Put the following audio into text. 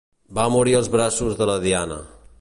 Va morir als braços de la Diane.